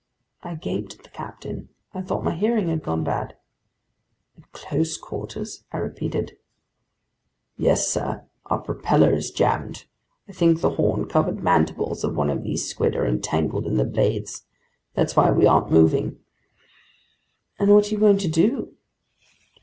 I gaped at the captain. I thought my hearing had gone bad. "At close quarters?" I repeated. "Yes, sir. Our propeller is jammed. I think the horn covered mandibles of one of these squid are entangled in the blades. That's why we aren't moving." "And what are you going to do?"